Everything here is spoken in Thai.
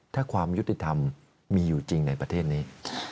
ถ้าความยุติธรรมมีอยู่จริงในประเทศนี้